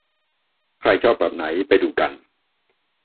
ใครชอบแบบไหนไปดูกัน